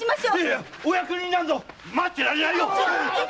いやお役人なんぞ待ってられないよ！